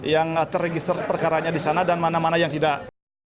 yang terregister perkaranya di sana dan mana mana yang tidak